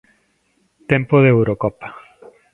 Tempo de Eurocopa.